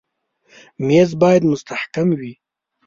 مېز باید مستحکم وي.